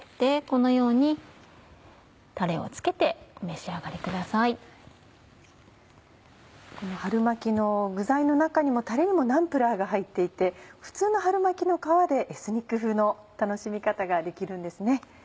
この春巻きの具材の中にもタレにもナンプラーが入っていて普通の春巻きの皮でエスニック風の楽しみ方ができるんですね。